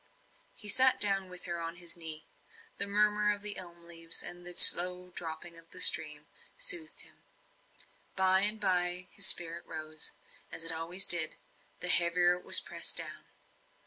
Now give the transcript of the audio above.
He sat down with her on his knee; the murmur of the elm leaves, and the slow dropping of the stream, soothed him. By and by, his spirit rose, as it always did, the heavier it was pressed down.